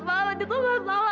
pak adit pak salah